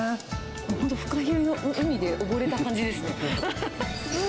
本当、フカヒレの海で溺れた感じですね。